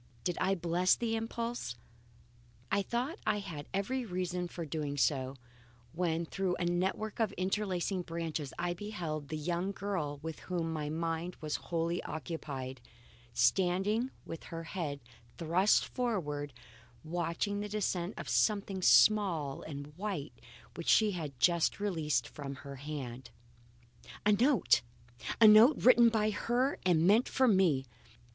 Did I bless the impulse? I thought I had every reason for doing so, when through a network of interlacing branches I beheld the young girl with whom my mind was wholly occupied, standing with her head thrust forward, watching the descent of something small and white which she had just released from her hand. A note! A note written by her and meant for me!